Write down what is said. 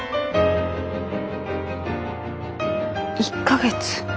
１か月。